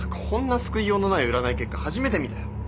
こんな救いようのない占い結果初めて見たよ。